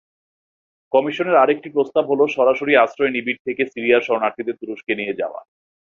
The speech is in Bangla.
কমিশনের আরেকটি প্রস্তাব হলো সরাসরি আশ্রয়শিবির থেকে সিরিয়ার শরণার্থীদের তুরস্কে নিয়ে যাওয়া।